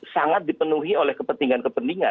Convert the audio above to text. sangat dipenuhi oleh kepentingan kepentingan